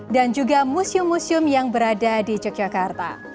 dan juga museum museum yang berada di yogyakarta